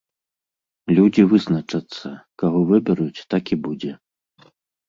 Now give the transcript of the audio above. Людзі вызначацца, каго выберуць, так і будзе.